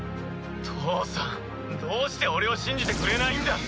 父さんどうして俺を信じてくれないんだ？